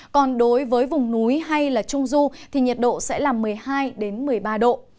còn đối với vùng núi hay là trung du thì nhiệt độ sẽ là một mươi hai một mươi ba độ